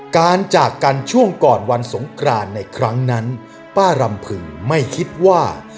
จากกันช่วงก่อนวันสงกรานในครั้งนั้นป้ารำผึงไม่คิดว่า